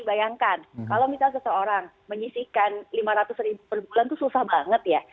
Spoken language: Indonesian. bayangkan kalau misalnya seseorang menyisihkan lima ratus ribu per bulan itu susah banget ya